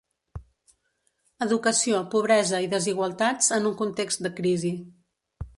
Educació, pobresa i desigualtats en un context de crisi.